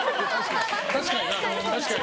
確かにな。